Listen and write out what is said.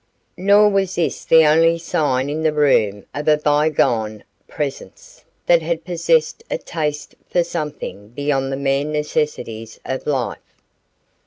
Nor was this the only sign in the room of a bygone presence that had possessed a taste for something beyond the mere necessities of life.